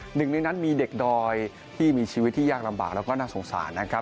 หนึ่งในนั้นมีเด็กดอยที่มีชีวิตที่ยากลำบากแล้วก็น่าสงสารนะครับ